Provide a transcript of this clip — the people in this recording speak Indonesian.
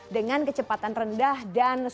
dengan kecepatan rendah dan sangat